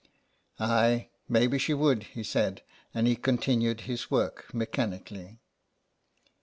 "Aye, maybe she would/' he said, and he continued his work mechanically.